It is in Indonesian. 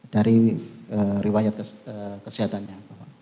dari riwayat kesehatannya